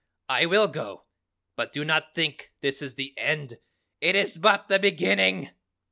I will go. But do not think this is the end! It is but the beginning!"